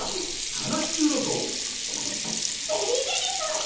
話し中だぞベリィベリーさん！